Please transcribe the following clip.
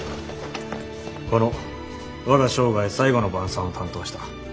この「我が生涯最後の晩餐」を担当した。